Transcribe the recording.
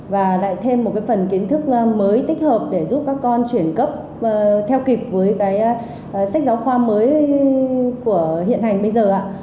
và lại thêm một cái phần kiến thức mới tích hợp để giúp các con chuyển cấp theo kịp với cái sách giáo khoa mới của hiện hành bây giờ ạ